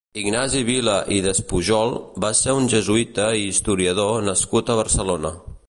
Ignasi Vila i Despujol va ser un jesuïta i historiador nascut a Barcelona.